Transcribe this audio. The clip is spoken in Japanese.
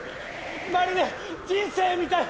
まるで人生みたい！